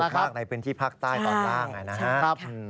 อ๋อครับมากในพื้นที่พักใต้ตอนล่างน่ะนะฮะ